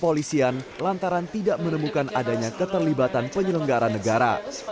kepolisian lantaran tidak menemukan adanya keterlibatan penyelenggara negara